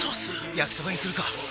焼きそばにするか！